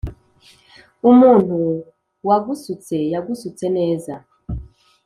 Umuntu wagusutse yagusutse neza